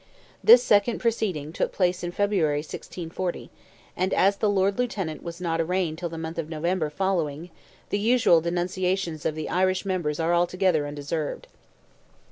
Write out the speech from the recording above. This second proceeding took place in February, 1640, and as the Lord Lieutenant was not arraigned till the month of November following, the usual denunciations of the Irish members are altogether undeserved.